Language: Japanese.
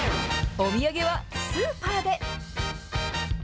お土産はスーパーで！